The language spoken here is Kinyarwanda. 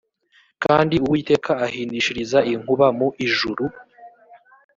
kandi uwiteka ahindishiriza inkuba mu ijuru